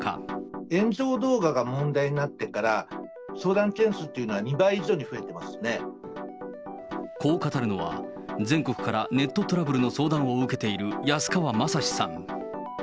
炎上動画が問題になってから、相談件数っていうのは２倍以上にこう語るのは、全国からネットトラブルの相談を受けている安川雅史さん。